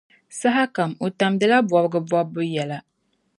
Saha kam, o tamdila bobigi bɔbbu yɛla.